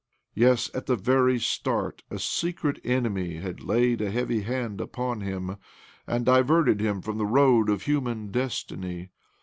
Yes, at the very start a secret enemy had laid a heavy hand upon him and diverted him from the road of human destiny.